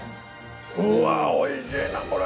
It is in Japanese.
うわおいしいなこれ。